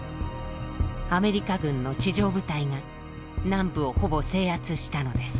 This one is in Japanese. アメリカ軍の地上部隊が南部をほぼ制圧したのです。